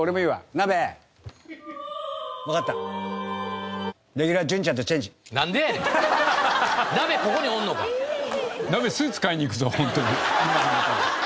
ナベスーツ買いに行くぞホントに。